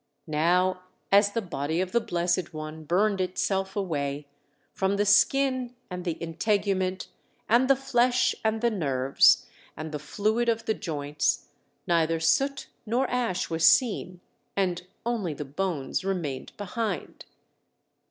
Now as the body of the Blessed One burned itself away, from the skin and the integument, and the flesh, and the nerves, and the fluid of the joints, neither soot nor ash was seen: and only the bones remained behind.